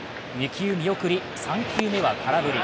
２球見送り、３球目は空振り。